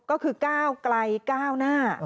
ก็คือก้าวไกลก้าวหน้า